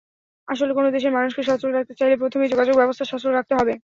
আসলে কোনো দেশের মানুষকে সচল রাখতে চাইলে প্রথমেই যোগাযোগব্যবস্থা সচল রাখতে হবে।